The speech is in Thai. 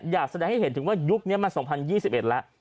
อยากแสดงให้เห็นถึงว่ายุคนี้มัน๒๐๒๑แล้ว